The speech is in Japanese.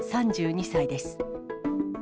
３２歳です。